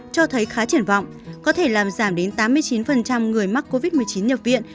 cho thấy khá triển vọng có thể làm giảm đến tám mươi chín người mắc covid một mươi chín nhập viện